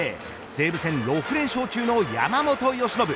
西武戦６連勝中の山本由伸。